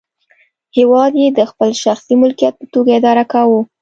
هېواد یې د خپل شخصي ملکیت په توګه اداره کاوه.